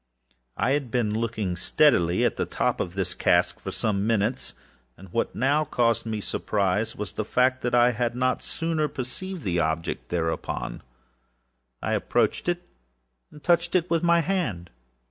I had been looking steadily at the top of this hogshead for some minutes, and what now caused me surprise was the fact that I had not sooner perceived the object thereupon. I approached it, and touched it with my hand.